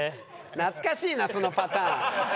懐かしいなそのパターン。